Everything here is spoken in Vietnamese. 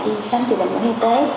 đi khám chữa bệnh bộ y tế